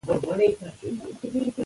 د هغه ټول زامن په بې رحمۍ سره قتل شول.